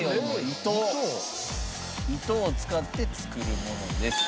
糸を使って作るものです。